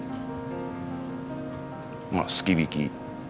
まあすき引き。